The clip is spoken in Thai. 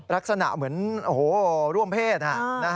ลักษณะเหมือนโอ้โหร่วมเพศค่ะ